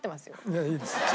いやいいです。